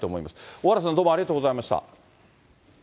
小原さん、どうもありがとうございました。